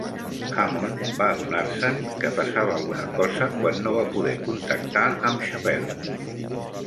Hammond va adonar-se'n que passava alguna cosa quan no va poder contactar amb Chappelle.